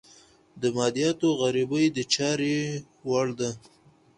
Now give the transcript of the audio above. د مادیاتو غريبي د چارې وړ ده.